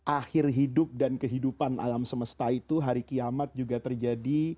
akhir hidup dan kehidupan alam semesta itu hari kiamat juga terjadi